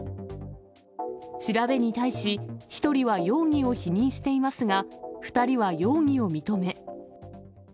調べに対し、１人は容疑を否認していますが、２人は容疑を認め。